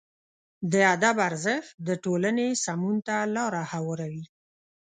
د ادب ارزښت د ټولنې سمون ته لاره هواروي.